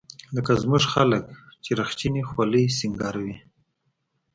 لکه زموږ خلق چې رخچينې خولۍ سينګاروي.